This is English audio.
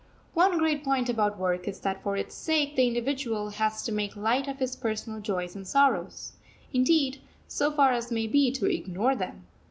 One great point about work is that for its sake the individual has to make light of his personal joys and sorrows; indeed, so far as may be, to ignore them.